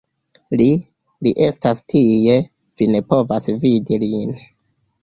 Li, li estas tie, vi ne povas vidi lin.